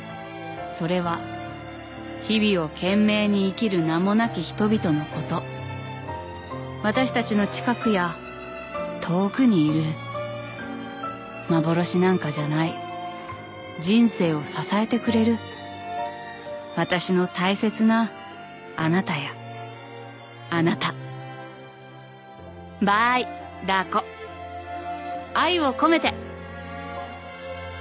「それは日々を懸命に生きる名も無き人々のこと」「私たちの近くや遠くにいる幻なんかじゃない人生を支えてくれる私の大切なあなたやあなた」「ｂｙダー子愛を込めて」